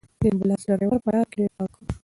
د امبولانس ډرېور په لاره کې ډېر پام کاوه.